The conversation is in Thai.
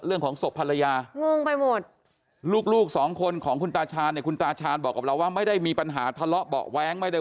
เรื่องของศพภรรยา